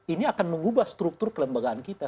ini akan mengubah struktur kelembagaan kita